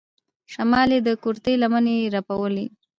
شمال يې د کورتۍ لمنې رپولې.